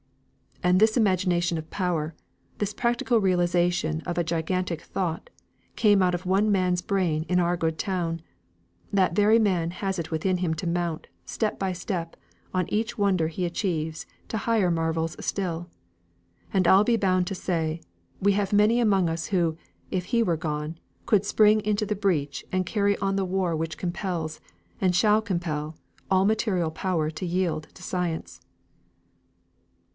"And this imagination of power, this practical realisation of a gigantic thought, came out of one man's brain in our good town. That very man has it within him to mount, step by step, on each wonder he achieves to higher marvels still. And I'll be bound to say, we have many among us who, if he were gone, could spring into the breach and carry on the war which compels, and shall compel, all material power to yield to science."